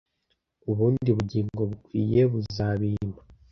ubundi bugingo bukwiye buzabimpa